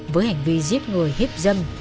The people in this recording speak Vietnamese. với hành vi giết người hiếp dâm